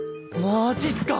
マジっすか！？